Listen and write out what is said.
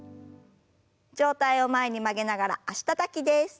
上体を前に曲げながら脚たたきです。